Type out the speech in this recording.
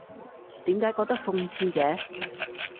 點解覺得諷刺嘅？